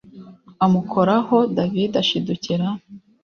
amukoraho david ashidukira